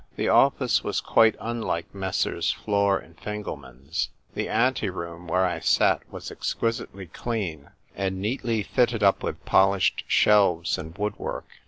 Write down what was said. The office was quite unlike Messrs. Flor and Fingelman's. The anteroom where I sat was exquisitely clean, and neatly fitted up with polished shelves and wood work.